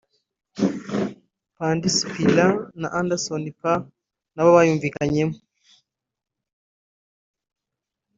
Candice Pillay na Anderson Paa nabo bayumvikanyemo